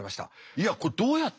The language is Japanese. いやこれどうやって。